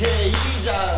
いいじゃん！